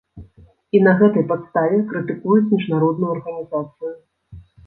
І на гэтай падставе крытыкуюць міжнародную арганізацыю!